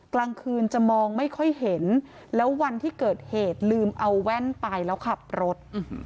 กลางคืนจะมองไม่ค่อยเห็นแล้ววันที่เกิดเหตุลืมเอาแว่นไปแล้วขับรถ